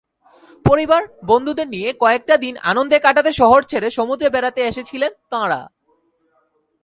পরিবার, বন্ধুদের নিয়ে কয়েকটা দিন আনন্দে কাটাতে শহর ছেড়ে সমুদ্রে বেড়াতে এসেছিলেন তাঁরা।